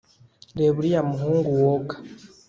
Reba uriya muhungu woga